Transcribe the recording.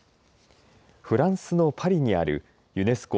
フランスのパリにあるユネスコ